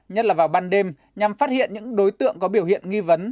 nhất là vào ban đêm nhằm phát hiện những đối tượng có biểu hiện nghi vấn